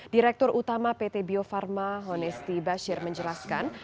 direktur utama pt bio farma honesty bashir menjelaskan